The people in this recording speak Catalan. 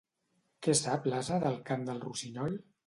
Què sap l'ase del cant del rossinyol?